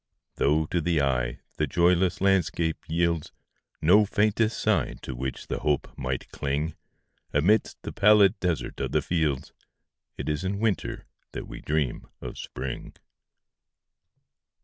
Though, to the eye, the joyless landscape yieldsNo faintest sign to which the hope might cling,—Amidst the pallid desert of the fields,—It is in Winter that we dream of Spring.